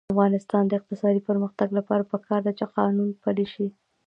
د افغانستان د اقتصادي پرمختګ لپاره پکار ده چې قانون پلی شي.